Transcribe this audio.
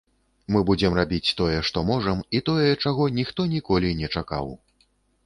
Мы будзем рабіць тое, што можам і тое, чаго ніхто ніколі не чакаў.